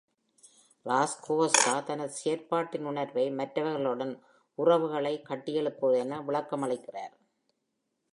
ராஜ்கோவ்ஸ்கா தனது செயல்பாட்டின் உணர்வை மற்றவர்களுடன் உறவுகளை கட்டியெழுப்புவது என விளக்கமகளிக்கி